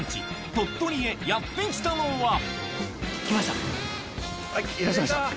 鳥取へやって来たのはいらっしゃいました。